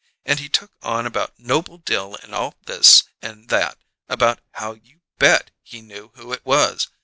And he took on about Noble Dill and all this and that about how you bet he knew who it was!